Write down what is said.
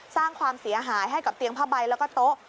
สร้างความเสียหายให้กับเตียงผ้าใบแล้วก็โต๊ะ